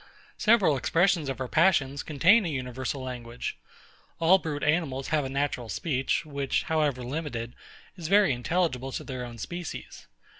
Several expressions of our passions contain a universal language: all brute animals have a natural speech, which, however limited, is very intelligible to their own species.